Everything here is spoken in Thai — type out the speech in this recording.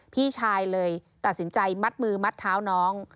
พี่ชายเลยตัดสินใจมัดมือมัดเท้าน้อง